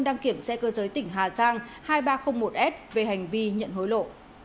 đăng kiểm xe cơ giới tỉnh hà giang hai nghìn ba trăm linh một s về hành vi nhận hối lộ